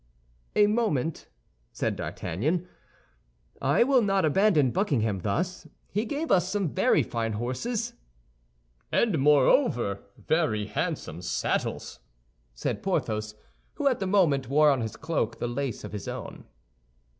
"A moment," said D'Artagnan. "I will not abandon Buckingham thus. He gave us some very fine horses." "And moreover, very handsome saddles," said Porthos, who at the moment wore on his cloak the lace of his own.